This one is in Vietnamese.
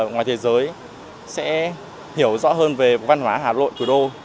ngoài thế giới sẽ hiểu rõ hơn về văn hóa hà lội thủ đô